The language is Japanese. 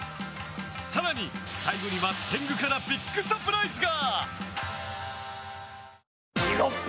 更に、最後には天狗からビッグサプライズが？